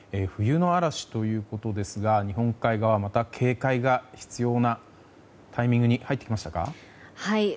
冬の嵐ということですが日本海側、また警戒が必要なタイミングに入ってきましたか？